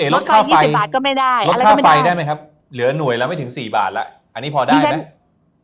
รถไฟ๒๐บาทก็ไม่ได้ลดค่าไฟได้ไหมครับเหลือหน่วยละไม่ถึง๔บาทแล้วอันนี้พอได้ไหม